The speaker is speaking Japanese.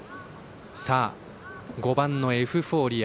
５番エフフォーリア。